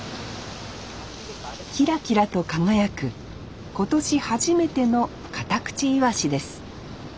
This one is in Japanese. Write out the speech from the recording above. キラキラと輝く今年初めてのカタクチイワシです